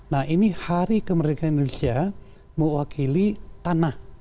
nah ini hari kemerdekaan indonesia mewakili tanah